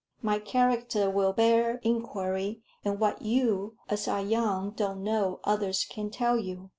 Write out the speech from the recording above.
My character will bear enquiry, and what you, as are young, don't know, others can tell you.